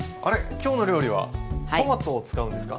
今日の料理はトマトを使うんですか？